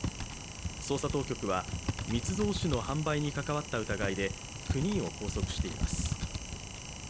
捜査当局は、密造酒の販売に関わった疑いで９人を拘束しています。